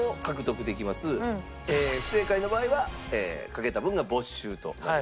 不正解の場合はかけた分が没収となります。